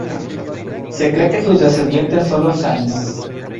Se cree que sus descendientes son los Ainu.